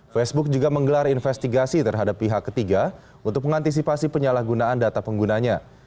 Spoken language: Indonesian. facebook juga menggelar investigasi terhadap pihak ketiga untuk mengantisipasi penyalahgunaan data penggunanya